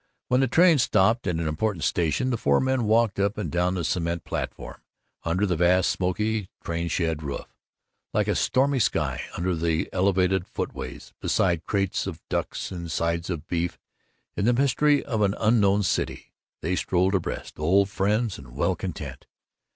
When the train stopped at an important station, the four men walked up and down the cement platform, under the vast smoky train shed roof, like a stormy sky, under the elevated footways, beside crates of ducks and sides of beef, in the mystery of an unknown city. They strolled abreast, old friends and well content.